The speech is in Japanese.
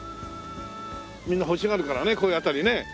みんな欲しがるからねこういう辺りね。